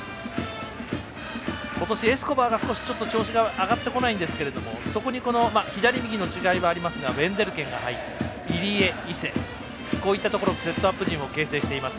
今年、エスコバーが少し調子が上がってこないんですけど左、右の違いはありますがウェンデルケンが入って入江、伊勢、こういったところセットアップ陣を形成しています。